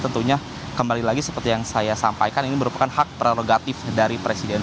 tentunya kembali lagi seperti yang saya sampaikan ini merupakan hak prerogatif dari presiden